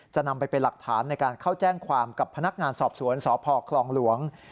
จะนำไปเป็นหลักฐานในการเข้าแจ้งความกับพนักงานสอบสวนสพคลองหลวง